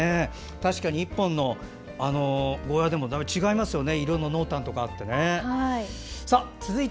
確かに１本のゴーヤーでもだいぶ違いますよね色の濃淡とかあって。